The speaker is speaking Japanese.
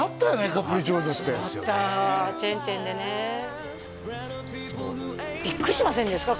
カプリチョーザってあったチェーン店でねビックリしませんでした？